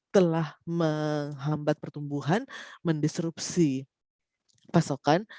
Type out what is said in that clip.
telah menghambat pertumbuhan mendisrupsi pasokan